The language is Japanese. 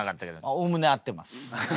おおむね合ってます。